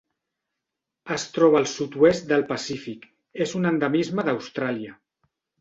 Es troba al sud-oest del Pacífic: és un endemisme d'Austràlia.